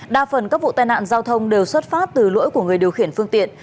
đa phần các vụ tai nạn giao thông đều xuất phát từ lỗi của người điều khiển phương tiện